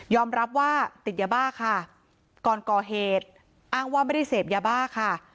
รับว่าติดยาบ้าค่ะก่อนก่อเหตุอ้างว่าไม่ได้เสพยาบ้าค่ะ